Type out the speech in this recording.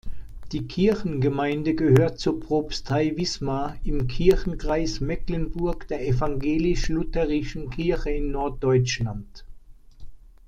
Die Kirchengemeinde gehört zur Propstei Wismar im Kirchenkreis Mecklenburg der Evangelisch-Lutherischen Kirche in Norddeutschland.